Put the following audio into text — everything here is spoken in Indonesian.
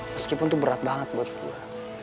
meskipun itu berat banget buat gue